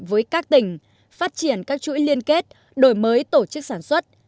với các tỉnh phát triển các chuỗi liên kết đổi mới tổ chức sản xuất